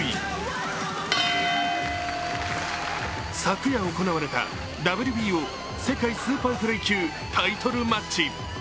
昨夜、行われたＷＢＯ世界スーパーフライ級タイトルマッチ。